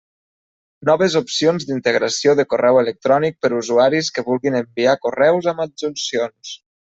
Noves opcions d'integració de correu electrònic per usuaris que vulguin enviar correus amb adjuncions.